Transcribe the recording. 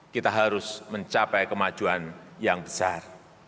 kita harus mencapai kemajuan yang besar